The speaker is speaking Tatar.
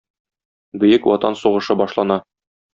Бөек Ватан сугышы башлана.